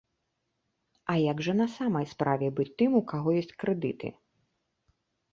А як жа на самай справе быць тым, у каго ёсць крэдыты?